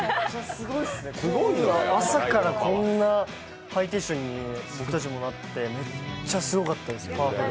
すごいですね、朝からこんなハイテンションに僕たちもなって、めっちゃすごかったです。